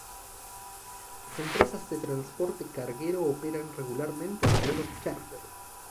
Las empresas de transporte carguero operan regularmente en vuelos chárter.